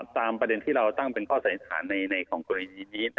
ตามประเด็นที่เราตั้งเป็นข้อสันนิษฐานในของกรณีนี้